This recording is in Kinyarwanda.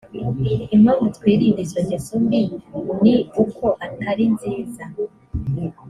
impamvu twirinda izo ngeso mbi ni uko atarinziza.